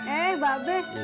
eh mbak be